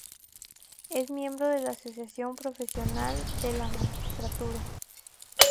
Es miembro de la Asociación Profesional de la Magistratura.